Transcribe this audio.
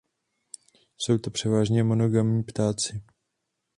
Jsou to převážně monogamní ptáci.